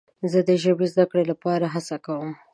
زه د ژبې زده کړې لپاره هڅه کوم.